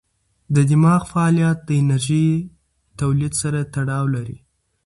د دماغ فعالیت د انرژۍ تولید سره تړاو لري.